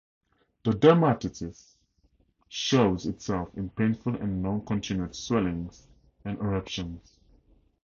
The dermatitis shows itself in painful and long continued swellings and eruptions.